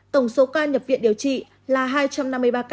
tổng số ca nhập viện điều trị là hai trăm năm mươi ba ca